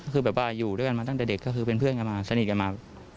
คือแบบว่าอยู่ด้วยกันมาตั้งแต่เด็กก็คือเป็นเพื่อนกันมาสนิทกันมา